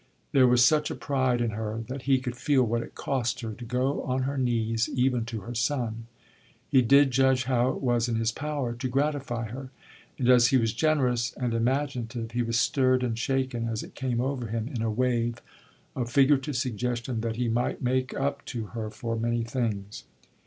There was such a pride in her that he could feel what it cost her to go on her knees even to her son. He did judge how it was in his power to gratify her; and as he was generous and imaginative he was stirred and shaken as it came over him in a wave of figurative suggestion that he might make up to her for many things.